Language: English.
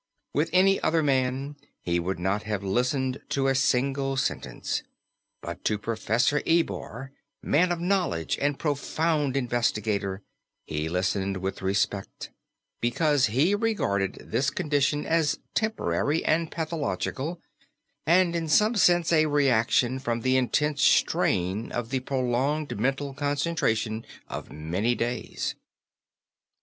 With any other man he would not have listened to a single sentence, but to Professor Ebor, man of knowledge and profound investigator, he listened with respect, because he regarded this condition as temporary and pathological, and in some sense a reaction from the intense strain of the prolonged mental concentration of many days.